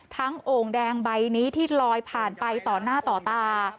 โอ่งแดงใบนี้ที่ลอยผ่านไปต่อหน้าต่อตา